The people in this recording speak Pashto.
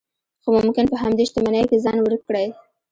خو ممکن په همدې شتمنۍ کې ځان ورک کړئ.